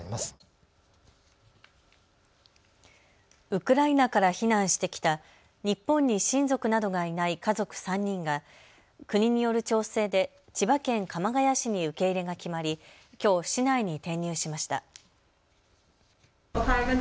ウクライナから避難してきた日本に親族などがいない家族３人が国による調整で千葉県鎌ケ谷市に受け入れが決まりきょう、市内に転入しました。